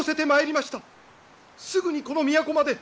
すぐにこの都まで。